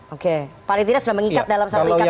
oke paling tidak sudah mengikat dalam satu ikatan